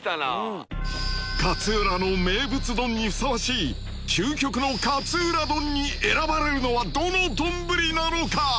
勝浦の名物丼にふさわしい究極の勝浦丼に選ばれるのはどの丼なのか？